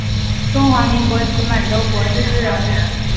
中华民国及满洲国政治人物。